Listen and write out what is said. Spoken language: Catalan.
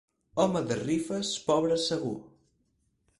Home de rifes, pobre segur.